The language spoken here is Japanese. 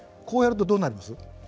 こうやるとどうなります？